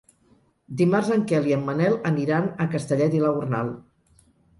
Dimarts en Quel i en Manel aniran a Castellet i la Gornal.